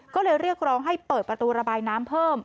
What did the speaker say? ก็เลยเรียกร้องให้เปิดประตูระบายน้ำเพิ่ม